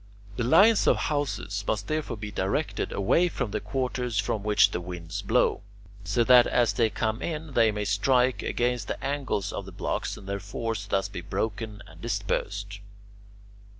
The lines of houses must therefore be directed away from the quarters from which the winds blow, so that as they come in they may strike against the angles of the blocks and their force thus be broken and dispersed.